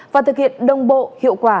và thực hiện đồng bộ hiệu quả